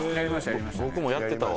僕もやってたわ。